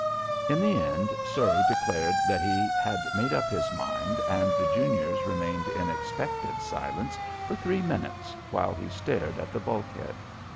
In the end Surrey declared that he had made up his mind and the juniors remained in expectant silence for three minutes while he stared at the bulkhead.